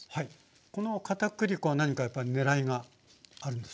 この片栗粉は何かやっぱり狙いがあるんですか？